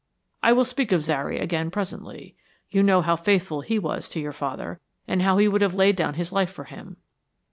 I will speak of Zary again presently. You know how faithful he was to your father, and how he would have laid down his life for him."